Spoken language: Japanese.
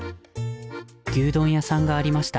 牛丼屋さんがありました